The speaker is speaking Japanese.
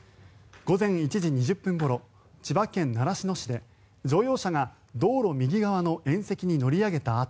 午前１時２０分ごろ千葉県習志野市で乗用車が道路右側の縁石に乗り上げた